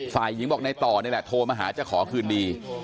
ฝ่ายหญิงบอกในต่อนี่แหละโทรมาหาจะขอคืนดี